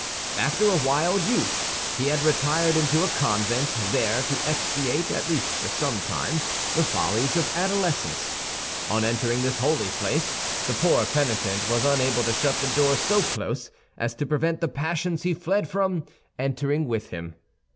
After a wild youth, he had retired into a convent, there to expiate, at least for some time, the follies of adolescence. On entering this holy place, the poor penitent was unable to shut the door so close as to prevent the passions he fled from entering with him.